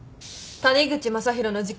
谷口正博の事件。